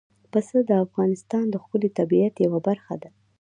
پسه د افغانستان د ښکلي طبیعت یوه برخه ده.